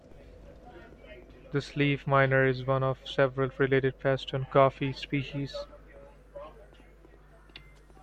This leaf miner is one of several related pests on "Coffea" species.